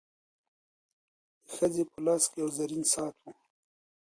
د ښځي په لاس کي یو زرین ساعت و.